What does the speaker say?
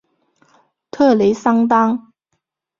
特雷桑当。